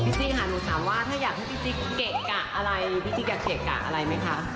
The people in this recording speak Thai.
จิ้งค่ะหนูถามว่าถ้าอยากให้พี่ติ๊กเกะกะอะไรพี่ติ๊กอยากเกะกะอะไรไหมคะ